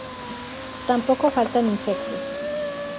Tampoco faltan insectos.